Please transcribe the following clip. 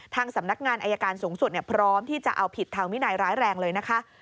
สำนักงานอายการสูงสุดพร้อมที่จะเอาผิดทางวินัยร้ายแรงเลยนะคะ